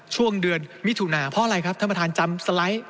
ช่วงเดือนมิถุนาเพราะอะไรครับท่านประธานจำสไลด์